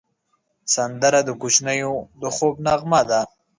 سندره د کوچنیو د خوب نغمه ده